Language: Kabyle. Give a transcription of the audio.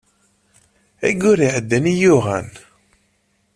Ayyur iɛeddan i yuɣ Ann.